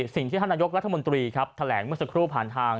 สิ่งที่ท่านนายกรัฐมนตรีครับแถลงเมื่อสักครู่ผ่านทาง